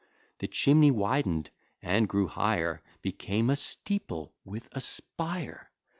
The chimney widen'd, and grew higher Became a steeple with a spire.